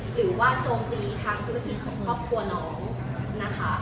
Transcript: หรือว่าโจมตีทางคุณผิดของครอบครัวน้องนะคะ